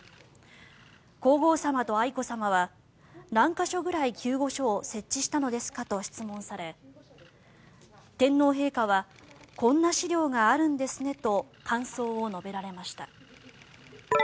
皇后さまと愛子さまは何か所くらい救護所を設置したのですかと質問され天皇陛下はこんな資料があるんですねと感想を述べられました。